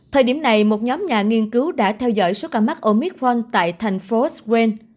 thời điểm này một nhóm nhà nghiên cứu đã theo dõi số ca mắc omicron tại thành phố swain